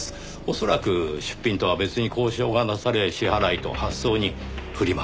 恐らく出品とは別に交渉がなされ支払いと発送にフリマ